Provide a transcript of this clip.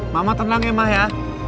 mama tenang ya ya